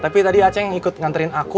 tapi tadi acing ikut nganterin aku